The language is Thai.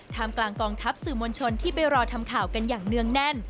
กลางกองทัพสื่อมวลชนที่ไปรอทำข่าวกันอย่างเนื่องแน่น